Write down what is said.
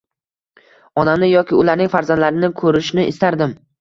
onamni yoki ularning farzandlarini ko‘rishni istardim.